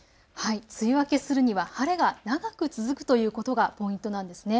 梅雨明けするには晴れが長く続くということがポイントなんです。